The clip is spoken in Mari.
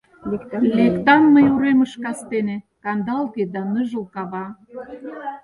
Лектам мый уремыш кастене, Кандалге да ныжыл кава.